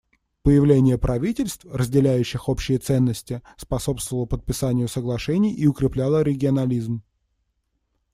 Появление правительств, разделяющих общие ценности, способствовало подписанию соглашений и укрепляло регионализм.